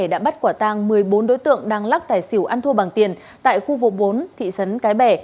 đã bắt quả tang một mươi bốn đối tượng đang lắc tài xỉu ăn thua bằng tiền tại khu vụ bốn thị sấn cái bẻ